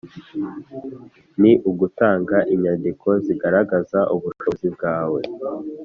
Ni ugutanga inyandiko zigaragaza ubushobozi bwawe